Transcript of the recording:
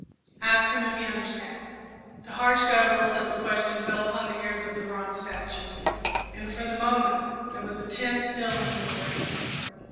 Ask him if he understands." The harsh gutturals of the question fell upon the ears of the bronze statue, and, for the moment, there was a tense stillness in the room.